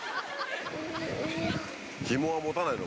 ひもは持たないの？